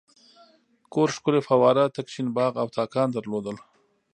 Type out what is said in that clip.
کور ښکلې فواره تک شین باغ او تاکان درلودل.